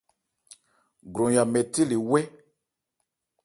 Gwranya nmɛthé le wɛ́.